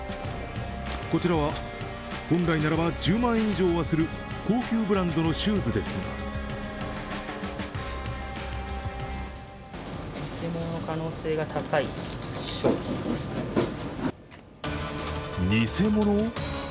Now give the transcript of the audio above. こちらは本来ならば１０万円以上はする高級ブランドのシューズですが偽物？